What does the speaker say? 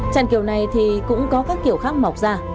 trạng kiểu này thì cũng có các kiểu khác mọc ra